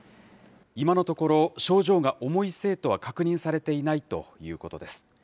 今のところ、症状が重い生徒は確認されていないということです。